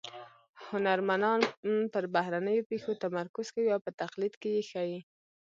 هنرمنان پر بهرنیو پېښو تمرکز کوي او په تقلید کې یې ښيي